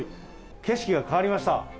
景色が変わりました。